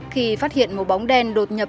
khi phát hiện một bóng đen đột nhập